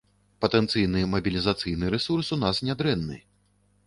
Патэнцыйны мабілізацыйны рэсурс у нас нядрэнны.